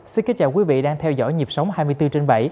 xin kính chào quý vị đang theo dõi nhịp sống hai mươi bốn trên bảy